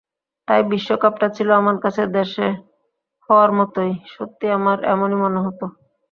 তাই বিশ্বকাপটা ছিল আমার কাছে দেশে হওয়ার মতোই—সত্যি আমার এমনই মনে হতো।